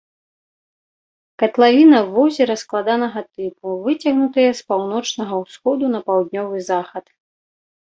Катлавіна возера складанага тыпу, выцягнутая з паўночнага ўсходу на паўднёвы захад.